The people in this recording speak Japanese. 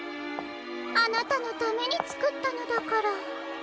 あなたのためにつくったのだから。